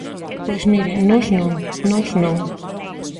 Pois mire, nós non, nós non.